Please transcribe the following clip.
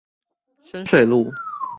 深水路